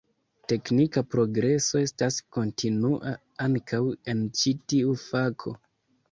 Teknika progreso estas kontinua ankaŭ en ĉi tiu fako.